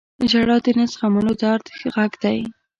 • ژړا د نه زغملو درد غږ دی.